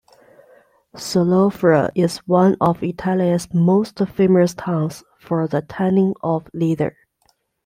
Solofra is one of Italy's most famous towns for the tanning of leather.